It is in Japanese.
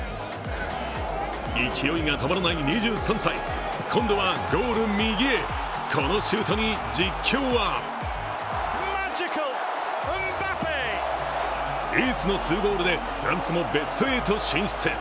勢いが止まらない２３歳、今度はゴール右へ、このシュートに実況はエースの２ゴールでフランスもベスト８進出。